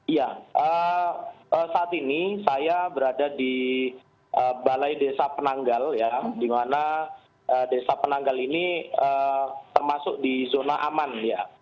ya saat ini saya berada di balai desa penanggal ya di mana desa penanggal ini termasuk di zona aman ya